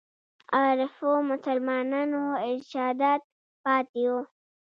عارفو مسلمانانو ارشادات پاتې وو.